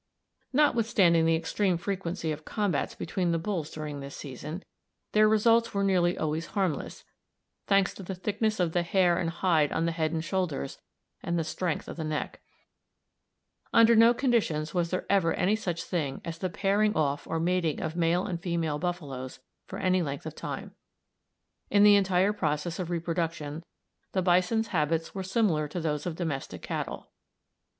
Notwithstanding the extreme frequency of combats between the bulls during this season, their results were nearly always harmless, thanks to the thickness of the hair and hide on the head and shoulders, and the strength of the neck. Under no conditions was there ever any such thing as the pairing off or mating of male and female buffaloes for any length of time. In the entire process of reproduction the bison's habits were similar to those of domestic cattle.